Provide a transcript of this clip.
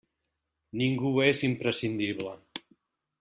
Ningú és imprescindible.